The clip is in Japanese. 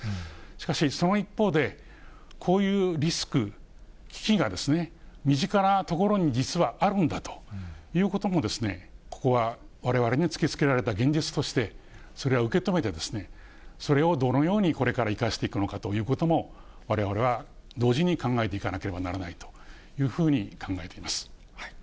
しかし、その一方で、こういうリスク、危機が身近なところに実はあるんだということも、ここはわれわれに突きつけられた現実としてそれは受け止めて、それをどのようにこれから生かしていくのかということも、われわれは同時に考えていかなければならないというふうに考えています。